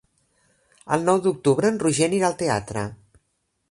El nou d'octubre en Roger anirà al teatre.